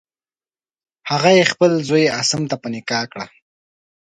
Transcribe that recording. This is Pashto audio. هغه یې خپل زوی عاصم ته په نکاح کړه.